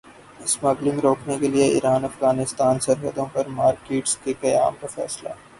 smuggling روکنے کیلئے Iran Afghanistan سرحدوں پر مارکیٹس کے قیام کا فیصلہ